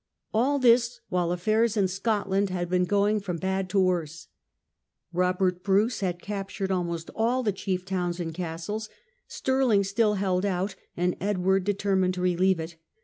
All this while affairs in Scotland had been going from bad to worse. Robert Bruce had captured almost all the chief towns and castles. Stirling still held out, and Edward determined to relieve it.